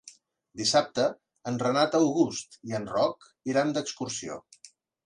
Dissabte en Renat August i en Roc iran d'excursió.